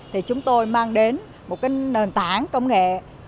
thì chúng tôi mang đến một nền tảng công nghệ